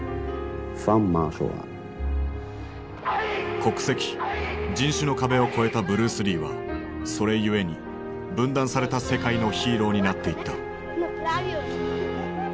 国籍人種の壁を越えたブルース・リーはそれゆえに分断された世界のヒーローになっていった。